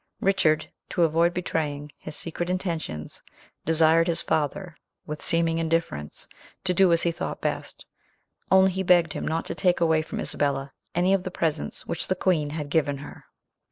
Richard, to avoid betraying his secret intentions, desired his father, with seeming indifference, to do as he thought best; only he begged him not to take away from Isabella any of the presents which the queen had given her.